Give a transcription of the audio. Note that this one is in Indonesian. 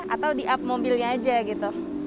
atau di up mobilnya aja gitu